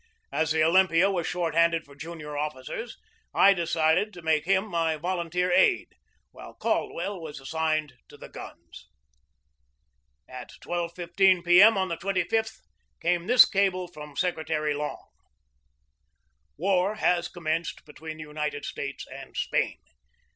As the Olym pia was short handed for junior officers I decided to make him my volunteer aide, while Caldwell was as signed to the guns. At 12.15 p M > n tne 2 5th, came this cable from Secretary Long: " War has commenced between the United States and Spain.